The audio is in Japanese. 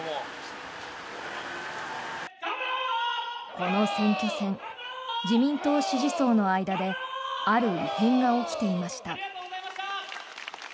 この選挙戦自民党支持層の間である異変が起きていました。